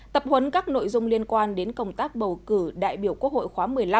tập huấn các nội dung liên quan đến công tác bầu cử đại biểu quốc hội khóa một mươi năm